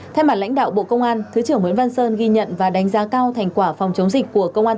thay mặt lãnh đạo bộ công an thứ trưởng nguyễn văn sơn ghi nhận và đánh giá cao thành quả phòng chống dịch